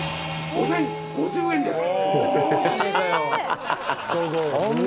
５，０５０円です。